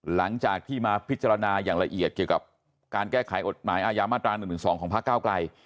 หลังจากที่มาพิจารณาอย่างละเอียดเกี่ยวกับการแก้ไขกฎหมายอาญามาตรา๑๑๒ของพระเก้าไกล